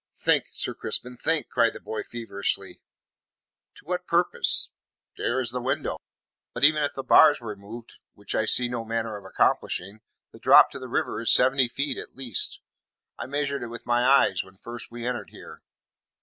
"Think, Sir Crispin, think," cried the boy feverishly. "To what purpose? There is the window. But even if the bars were moved, which I see no manner of accomplishing, the drop to the river is seventy feet at least. I measured it with my eyes when first we entered here.